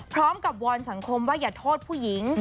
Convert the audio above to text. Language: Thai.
วอนสังคมว่าอย่าโทษผู้หญิง